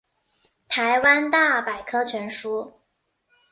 台湾大百科全书